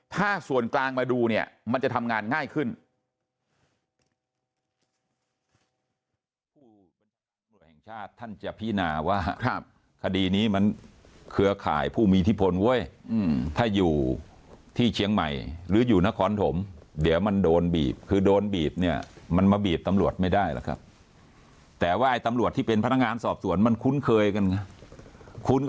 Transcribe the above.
ถ้าส่วนกลางมาดูเนี่ยมันจะทำงานง่ายขึ้น